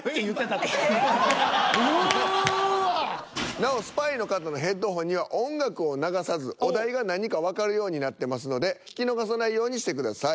なおスパイの方のヘッドホンには音楽を流さずお題が何かわかるようになってますので聞き逃さないようにしてください。